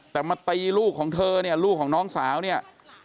แต่มาตีลูกของเธอเนี่ยลูกของน้องสาวเนี่ย